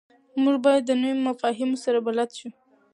موږ باید د نویو مفاهیمو سره بلد شو.